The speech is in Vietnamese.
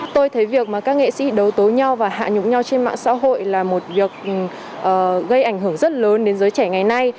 tôi thấy việc mà các nghệ sĩ đấu tối nhau và hạ nhúng nhau trên mạng xã hội là một việc gây ảnh hưởng rất lớn đến giới trẻ ngày nay